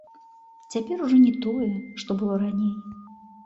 Цяпер ужо не тое, што было раней.